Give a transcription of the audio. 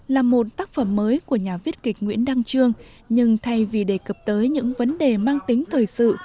là một tác phẩm mới của nhà viết kịch nguyễn đăng trương nhưng thay vì đề cập tới những vấn đề mang tính thời sự